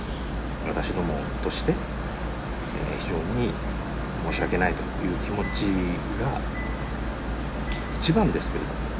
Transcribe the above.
私どもとして、非常に申し訳ないという気持ちが一番ですね。